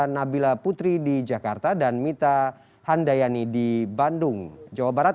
nabila putri di jakarta dan mita handayani di bandung jawa barat